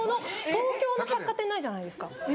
東京の百貨店ないじゃないですか。